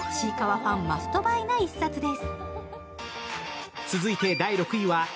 ファンマストバイな一冊です。